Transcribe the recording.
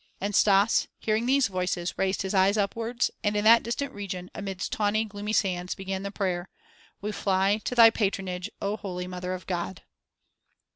And Stas, hearing these voices, raised his eyes upwards and in that distant region, amidst tawny, gloomy sands, began the prayer: "We fly to Thy patronage, O Holy Mother of God."